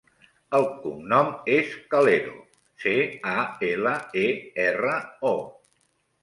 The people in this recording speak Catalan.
El cognom és Calero: ce, a, ela, e, erra, o.